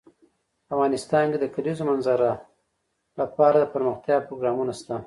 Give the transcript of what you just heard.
افغانستان کې د د کلیزو منظره لپاره دپرمختیا پروګرامونه شته.